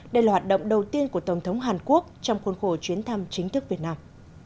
đây là hoạt động đầu tiên của tổng thống hàn quốc trong khuôn khổ chuyến thăm chính thức việt nam